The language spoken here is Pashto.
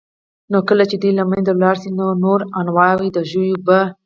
نو كله چي دوى له منځه ولاړ شي نور انواع د ژوو به